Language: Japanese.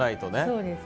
そうです。